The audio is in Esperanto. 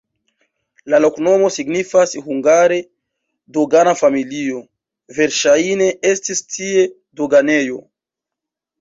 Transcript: La loknomo signifas hungare "dogana-familio", verŝajne estis tie doganejo.